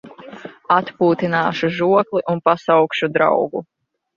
Atpūtināšu žokli un pasaukšu draugu.